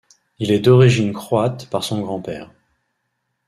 Il est d'origine croate par son grand-père.